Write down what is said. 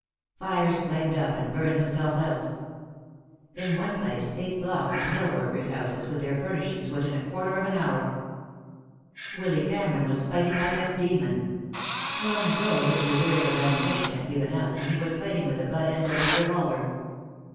Fires flamed up and burned themselves out. In one place, eight blocks of mill workers' houses, with their furnishings, went in a quarter of an hour. Willy Cameron was fighting like a demon. Long ago his reserve of ammunition had given out, and he was fighting with the butt end of his revolver.